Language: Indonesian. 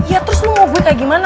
ya terus lu mau gue kayak gimana